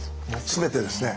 全てですね。